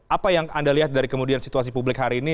apa yang anda lihat dari kemudian situasi publik hari ini